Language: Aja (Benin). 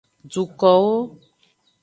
Dukowo.